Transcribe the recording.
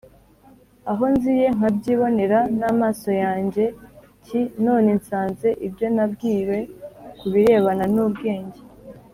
Aho nziye nkabyibonera n amaso yanjye t none nsanze ibyo nabwiwe ku birebana n ubwenge